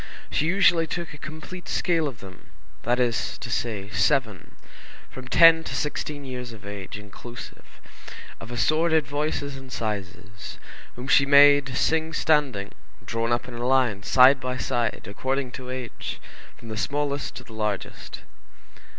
She usually took a complete scale of them, that is to say, seven, from ten to sixteen years of age, inclusive, of assorted voices and sizes, whom she made sing standing, drawn up in a line, side by side, according to age, from the smallest to the largest.